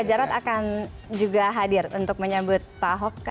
pak jarod akan juga hadir untuk menyambut pak ahok